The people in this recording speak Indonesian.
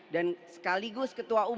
dan sekaligus ketua umum